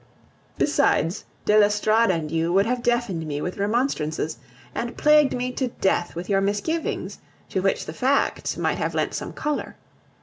Besides, de l'Estorade and you would have deafened me with remonstrances, and plagued me to death with your misgivings, to which the facts might have lent some color.